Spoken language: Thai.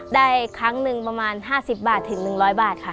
ได้ครั้งหนึ่งประมาณ๕๐บาทถึง๑๐๐บาทค่ะ